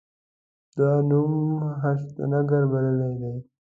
دا نوم هشتنګار بللی دی.